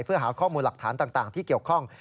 เพื่อหาข้อมูลหลักฐานต่างที่เกี่ยวข้อง